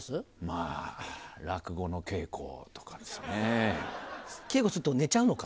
まぁ落語の稽古とかですねぇ。稽古すると寝ちゃうのか？